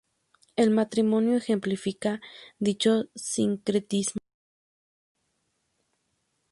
El matrimonio ejemplifica dicho sincretismo.